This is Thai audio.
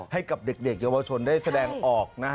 ให้กับเด็กเยาวชนได้แสดงออกนะฮะ